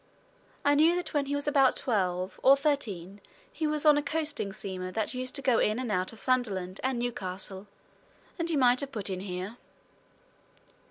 I knew that when he was about twelve or thirteen he was on a coasting steamer that used to go in and out of Sunderland and Newcastle, and he might have put in here."